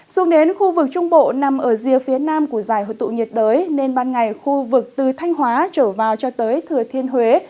xuống đến khu vực trung bộ nằm ở rìa phía nam của giải hội tụ nhiệt đới nên ban ngày khu vực từ thanh hóa trở vào cho tới thừa thiên huế